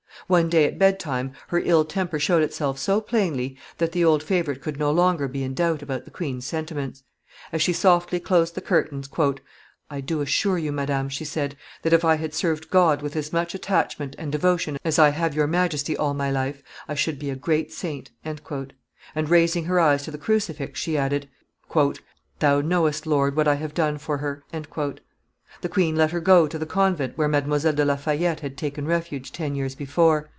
One day, at bedtime, her ill temper showed itself so plainly, that the old favorite could no longer be in doubt about the queen's sentiments. As she softly closed the curtains, "I do assure you, Madame," she said, "that if I had served God with as much attachment and devotion as I have your Majesty all my life, I should be a great saint." And, raising her eyes to the crucifix, she added, "Thou knowest, Lord, what I have done for her." The queen let her go to the convent where Mademoiselle de la Fayette had taken refuge ten years before.